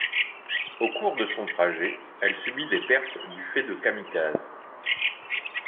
Au cours de son trajet, elle subit des pertes du fait de kamikazes.